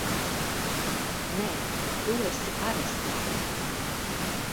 Nē! Tu esi arestēts!